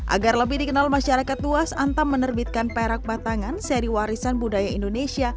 agar lebih dikenal masyarakat luas antam menerbitkan perak batangan seri warisan budaya indonesia